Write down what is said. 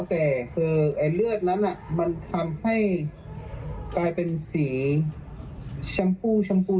แต่คือเลือดนั้นมันทำให้กลายเป็นสีชมพูชมพู